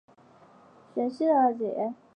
徐熙媛的二姐。